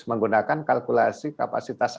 menggunakan kalkulasi kapasitas